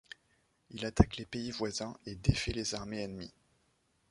Il attaque les pays voisins et défait les armées ennemies.